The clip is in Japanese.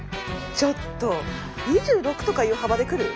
ちょっと２６とかいう幅でくる？